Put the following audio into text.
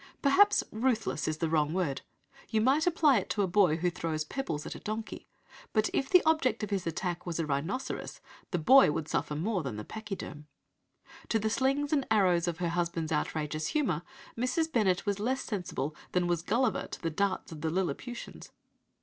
Perhaps "ruthless" is the wrong word. You might apply it to a boy who throws pebbles at a donkey, but if the object of his attack was a rhinoceros, the boy would suffer more than the pachyderm. To the slings and arrows of her husband's outrageous humour Mrs. Bennet was less sensible than was Gulliver to the darts of the Lilliputians.